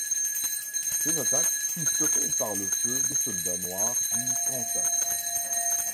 Cette attaque fut stoppée par le feu des soldats noirs du Kansas.